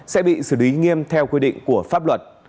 sẽ bị xử lý nghiêm theo quy định của pháp luật